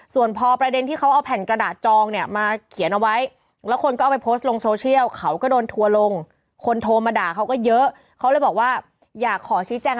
ส่วนพอประเด็นที่เขาเอาแผ่งกระดาษจองมาเขียนเอาไว้